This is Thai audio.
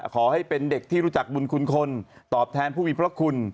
ขอให้เป็นเด็กที่รู้จักบุญคุณคนตอบแทนผู้มีพระคุณ